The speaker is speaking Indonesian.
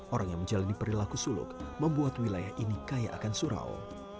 orang yang menjalani perilaku suluk membuat wilayah ini kaya akan surau